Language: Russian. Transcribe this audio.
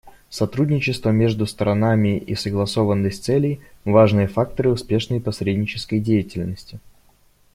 Сотрудничество между сторонами и согласованность целей — важные факторы успешной посреднической деятельности.